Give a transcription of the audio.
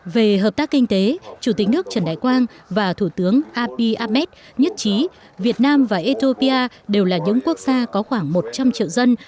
về hợp tác kinh tế chủ tịch nước trần đại quang và thủ tướng api ahmed nhất trí việt nam và ethiopia đều là những quốc gia có khoảng một trăm linh triệu dân